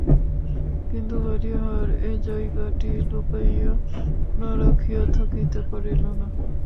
কিন্তু হরিহর এ কাগজটি লুকাইয়া না রাখিয়া থাকিতে পারিল না।